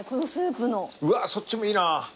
うわっそっちもいいな。